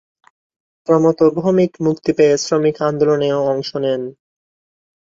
প্রমথ ভৌমিক মুক্তি পেয়ে শ্রমিক আন্দোলনেও অংশ নেন।